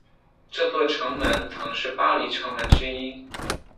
这座城门曾是巴黎城门之一。